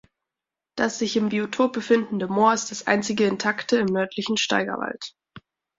Das sich im Biotop befindende Moor ist das einzige intakte im nördlichen Steigerwald.